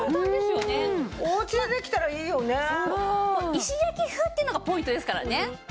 石焼き風っていうのがポイントですからね。